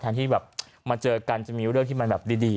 แทนที่มาเจอกันจะมีเรื่องที่มันดี